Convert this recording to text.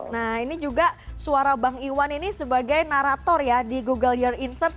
nah ini juga suara bang iwan ini sebagai narator ya di google your inserts